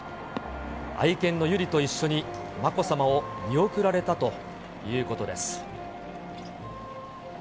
愛犬の由莉と一緒に、まこさまを見送られたということです。